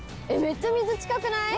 めっちゃ水近くない？